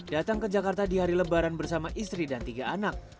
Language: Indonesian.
datang ke jakarta di hari lebaran bersama istri dan tiga anak